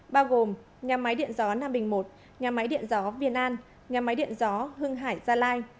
bao gồm nhà máy điện gió nam bình i nhà máy điện gió việt nam nhà máy điện gió hưng hải gia lai